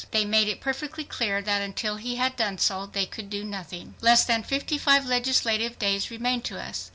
They made it perfectly clear that until he had done so, they could do nothing. Less than fifty legislative days remained to us.